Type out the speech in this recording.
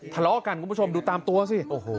ทะเลาะกันคุณผู้ชมดูตามตัวสิ